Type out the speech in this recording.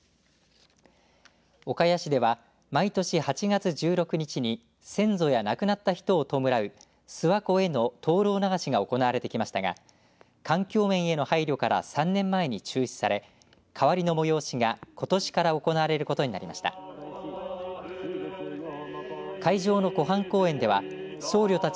岡谷市では、毎年８月１６日に先祖や亡くなった人を弔う諏訪湖への、とうろう流しが行われてきましたが環境面への配慮から３年前に中止され代わりの催しが、ことしから行われることになりました。